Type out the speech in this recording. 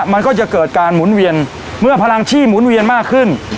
มันก็จะเกิดการหมุนเวียนเมื่อพลังชีพหมุนเวียนมากขึ้น